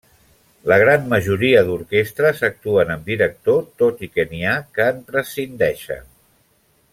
La gran majoria d'orquestres actuen amb director tot i que n'hi ha que en prescindeixen.